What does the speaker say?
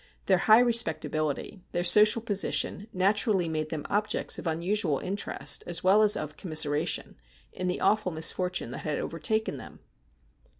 Their high respect ability, their social position, naturally made them objects of unusual interest, as well as of commiseration, in the awful misfortune that had overtaken them.